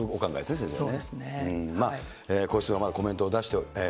先生ね。